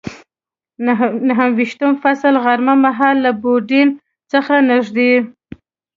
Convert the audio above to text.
نهه ویشتم فصل، غرمه مهال له یوډین څخه نږدې.